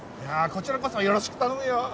こちらこそよろしく頼むよ